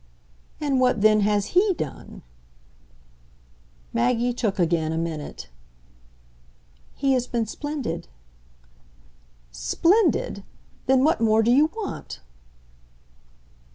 "And what then has HE done?" Maggie took again a minute. "He has been splendid." "'Splendid'? Then what more do you want?"